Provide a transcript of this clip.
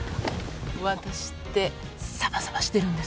ワタシってサバサバしてるんです。